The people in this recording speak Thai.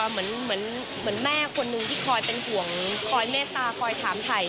เหมือนแม่คนนึงที่คอยเป็นห่วงคอยเมตตาคอยถามถ่าย